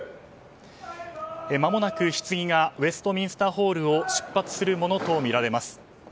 まもなく、ひつぎがウェストミンスターホールを出発するものとみられます。